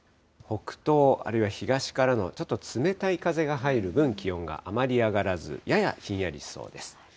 北東、あるいは東からのちょっと冷たい風が入る分、気温があまり上がらず、ややひんやりしそうです。